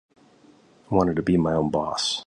I wanted to be my own boss